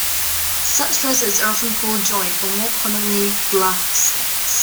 Such lizards are often called joint, or, more commonly, glass snakes.